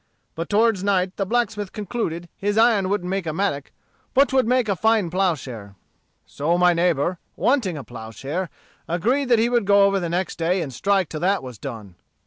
But toward night the blacksmith concluded his iron wouldn't make a mattock but 'twould make a fine ploughshare. "So my neighbor, wanting a ploughshare, agreed that he would go over the next day and strike till that was done.